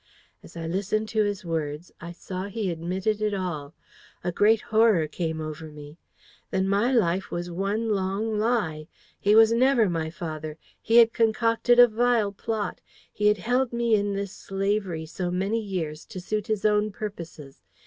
"As I listened to his words, I saw he admitted it all. A great horror came over me. Then my life was one long lie! He was never my father. He had concocted a vile plot. He had held me in this slavery so many years to suit his own purposes.